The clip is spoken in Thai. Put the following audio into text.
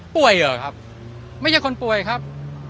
เหรอครับไม่ใช่คนป่วยครับ